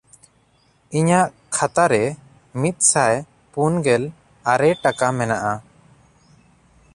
ᱤᱧᱟᱜ ᱠᱷᱟᱛᱟ ᱨᱮ ᱢᱤᱫᱥᱟᱭ ᱯᱩᱱᱜᱮᱞ ᱟᱨᱮ ᱴᱟᱠᱟ ᱢᱮᱱᱟᱜᱼᱟ᱾